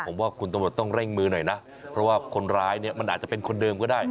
ผมว่าคุณตำรวจต้องเร่งมือหน่อยนะเพราะว่าคนร้ายเนี่ยมันอาจจะเป็นคนเดิมก็ได้